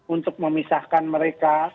untuk memisahkan mereka